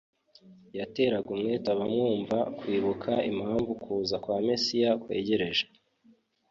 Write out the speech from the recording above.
Yateraga umwete abamwumva kwibuka impamvu kuza kwa Mesiya kwegereje.